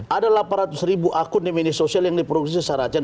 ada delapan ratus ribu akun di media sosial yang diproses saracen